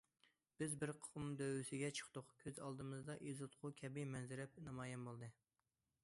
بىز بىر قۇم دۆۋىسىگە چىقتۇق، كۆز ئالدىمىزدا ئېزىتقۇ كەبى مەنزىرە نامايان بولدى.